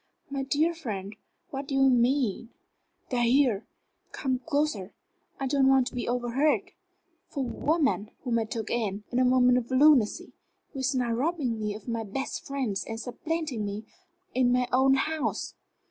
"My dear friend, what do you mean?" "They are here come closer, I don't want to be overheard for a woman whom I took in, in a moment of lunacy who is now robbing me of my best friends and supplanting me in my own house."